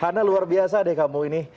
karena luar biasa deh kamu ini